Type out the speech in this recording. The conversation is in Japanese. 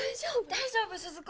大丈夫鈴子？